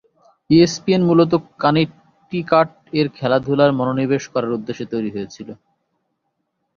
ESPN মূলত Connecticut এর খেলাধুলায় মনোনিবেশ করার উদ্দেশ্যে তৈরি হয়েছিল।